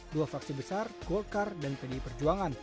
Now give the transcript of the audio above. dua fraksi besar golkar dan pdi perjuangan